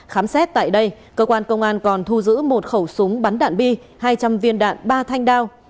khám xét tại đây cơ quan công an còn thu giữ một khẩu súng bắn đạn bi hai trăm linh viên đạn ba thanh đao